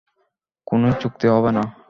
কোনো চুক্তি হবে না।